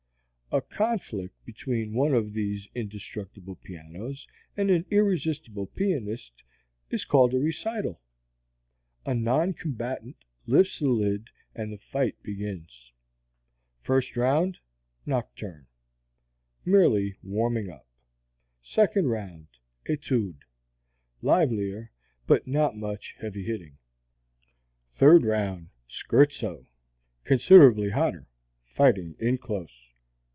A conflict between one of these indestructible pianos and an irresistible pianist is called a recital. A non combatant lifts the lid, and the fight begins. FIRST ROUND: Nocturne. (Merely warming up.) SECOND ROUND: Etude. (Livelier, but not much heavy hitting.) THIRD ROUND: Scherzo. (Considerably hotter; fighting in close.)